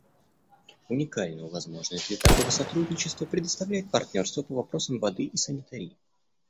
Уникальную возможность для такого сотрудничества предоставляет партнерство по вопросам воды и санитарии.